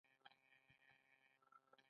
ماشومان په سختو لغتونو ژبه نه زده کوي.